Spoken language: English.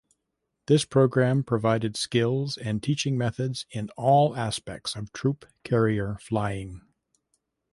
This program provided skills and teaching methods in all aspects of troop carrier flying.